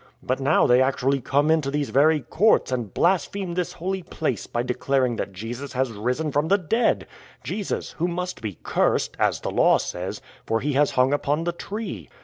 But now they actually come into these very courts and blaspheme this holy place by declaring that Jesus has risen from the dead — Jesus, who must be cursed (as the Law says), for He has hung upon the tree.